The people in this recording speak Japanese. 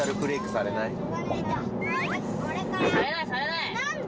されない、されない。